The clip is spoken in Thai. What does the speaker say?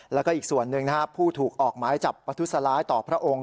แล้วก็อีกส่วนหนึ่งนะครับผู้ถูกออกหมายจับประทุษร้ายต่อพระองค์